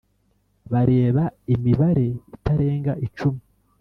bareba imibare itarenga icumi